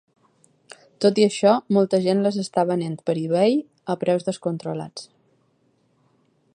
Tot i això, molta gent les està venent per eBay a preus descontrolats.